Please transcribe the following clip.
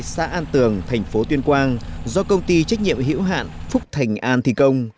xã an tường thành phố tuyên quang do công ty trách nhiệm hữu hạn phúc thành an thi công